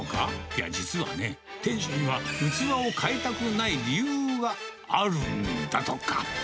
いや、実はね、店主には器を変えたくない理由があるんだとか。